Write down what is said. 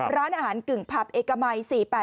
ร้านอาหารกึ่งผับเอกมัย๔๘